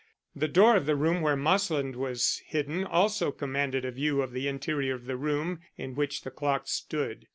The door of the room where Marsland was hidden also commanded a view of the interior of the room in which the clock stood.